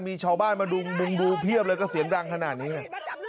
มีชาวบ้านมาดุงดุงดูเพียบเลยก็เสียงรังขนาดนี้ไง